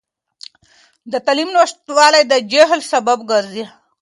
د تعلیم نشتوالی د جهل سبب ګرځي.